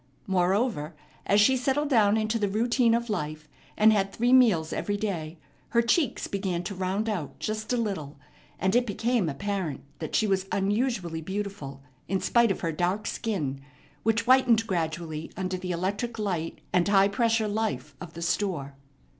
Moreover, as she settled down into the routine of life, and had three meals every day, her cheeks began to round out just a little; and it became apparent that she was unusually beautiful in spite of her dark skin, which whitened gradually under the electric light and high pressure life of the store.